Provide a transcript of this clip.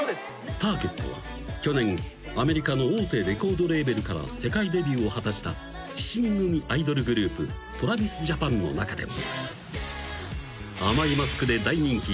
［ターゲットは去年アメリカの大手レコードレーベルから世界デビューを果たした７人組アイドルグループＴｒａｖｉｓＪａｐａｎの中でも甘いマスクで大人気。